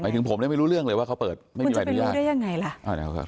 หมายถึงผมเลยไม่รู้เรื่องเลยว่าเขาเปิดไม่มีรายพิวัตร